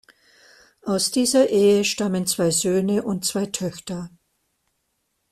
Aus dieser Ehe stammen zwei Söhne und zwei Töchter.